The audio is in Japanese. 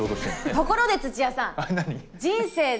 ところで土屋さん。何？